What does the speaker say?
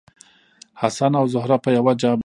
حسن او زهره په یوه جعبه باندې قوه واردوي.